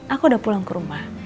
aku udah pulang ke rumah